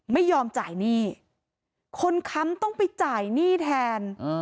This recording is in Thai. ไม่ยอมจ่ายหนี้คนค้ำต้องไปจ่ายหนี้แทน